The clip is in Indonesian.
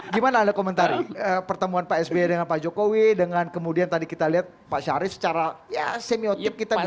gimana anda komentari pertemuan pak sby dengan pak jokowi dengan kemudian tadi kita lihat pak syarif secara semiotip kita bisa